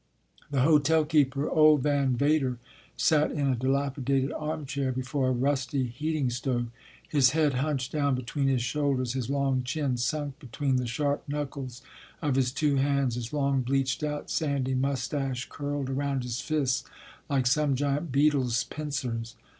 The hotel keeper, old Van Vader, sat in a dilapi dated armchair before a rusty heating stove, his head hunched down between his shoulders, his long chin sunk between the sharp knuckles of his two hands, his long, bleached out, sandy mustache curled around his fists like some giant beetle s pincers.